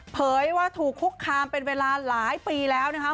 เผยว่าถูกคุกคามเป็นเวลาหลายปีแล้วนะคะ